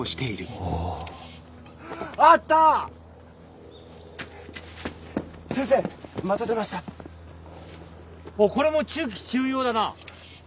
おおこれも中期中葉だな。